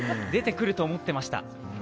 出てくると思ってました。